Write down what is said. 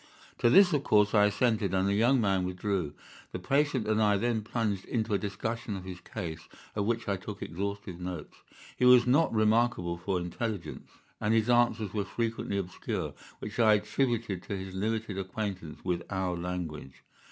"To this, of course, I assented, and the young man withdrew. The patient and I then plunged into a discussion of his case, of which I took exhaustive notes. He was not remarkable for intelligence, and his answers were frequently obscure, which I attributed to his limited acquaintance with our language.